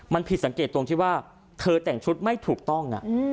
มันผิดสังเกตตรงที่ว่าเธอแต่งชุดไม่ถูกต้อง